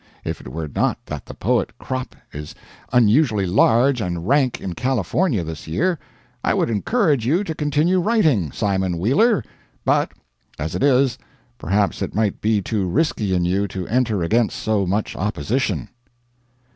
If it were not that the poet crop is unusually large and rank in California this year, I would encourage you to continue writing, Simon Wheeler; but, as it is, perhaps it might be too risky in you to enter against so much opposition.